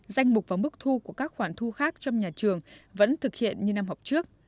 danh mục và mức thu của các khoản thu khác trong nhà trường vẫn thực hiện như năm học trước